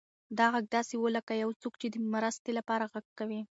دا غږ داسې و لکه یو څوک چې د مرستې لپاره غږ کوي.